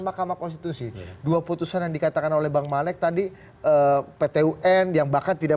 mahkamah konstitusi dua putusan yang dikatakan oleh bang manek tadi pt un yang bahkan tidak